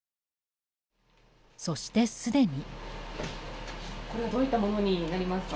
そして、すでに。